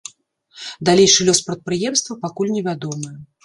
Далейшы лёс прадпрыемства пакуль не вядомы.